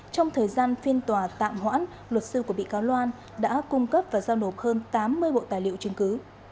trong thời gian phiên tòa tạm hoãn luật sư của bị cáo loan đã cung cấp và giao nộp hơn tám mươi bộ tài liệu chứng cứ